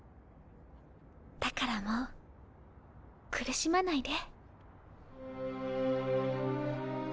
だからもう苦しまないで。